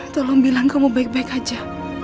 tolong bilang kamu baik baik aja